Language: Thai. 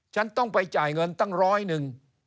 ฉันต้องไปจ่ายเงินตั้งร้อยหนึ่ง